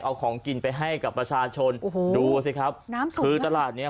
เอาของกินไปให้กับประชาชนโอ้โหดูสิครับน้ำสูงคือตลาดเนี้ย